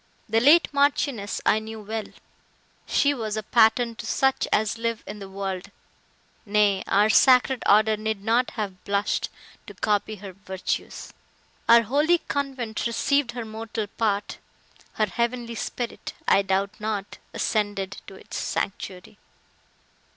The late Marchioness I knew well; she was a pattern to such as live in the world; nay, our sacred order need not have blushed to copy her virtues! Our holy convent received her mortal part; her heavenly spirit, I doubt not, ascended to its sanctuary!"